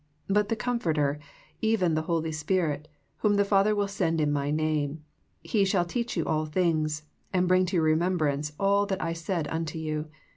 ... But the Comforter, even the Holy Spirit, whom the Father will send in My name. He shall teach you all things, and bring to your remembrance all that I said unto you."